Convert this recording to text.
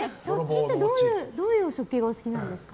どういう食器がお好きなんですか？